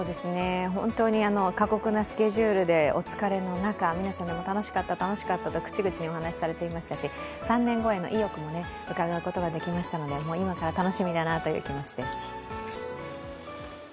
本当に過酷なスケジュールでお疲れの中皆さんも楽しかった、楽しかったと口々に話されていましたし、３年後への意欲も伺うことができましたので、今から楽しみだなという気持ちです。